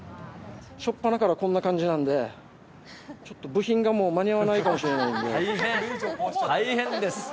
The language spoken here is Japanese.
しょっぱなからこんな感じなんで、ちょっと部品がもう、間に合わな大変です。